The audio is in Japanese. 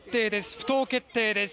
不当決定です。